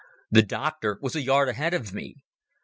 The doctor was a yard ahead of me.